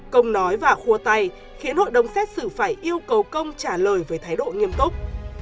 công nói và khua tay khiến hội đồng xét xử phải yêu cầu công trả lời với thái độ nghiêm túc